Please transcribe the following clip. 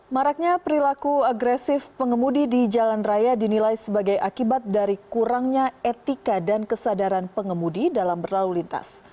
maraknya perilaku agresif pengemudi di jalan raya dinilai sebagai akibat dari kurangnya etika dan kesadaran pengemudi dalam berlalu lintas